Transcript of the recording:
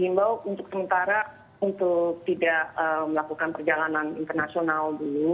imbau untuk sementara untuk tidak melakukan perjalanan internasional dulu